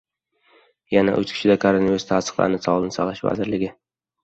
Yana uch kishida koronavirus tasdiqlandi — Sog‘liqni saqlash vazirligi